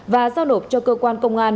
và giao lộp cho cơ quan công an